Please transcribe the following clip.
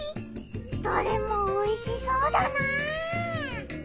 どれもおいしそうだな！